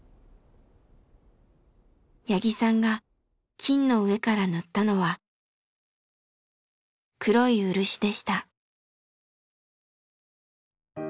八木さんが金の上から塗ったのは黒い漆でした。